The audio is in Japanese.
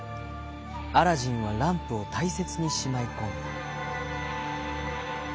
アラジンはランプをたいせつにしまいこんだ。